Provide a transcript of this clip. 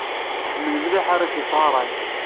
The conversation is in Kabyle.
Iḥemmel mliḥ arrac i yesɣaṛay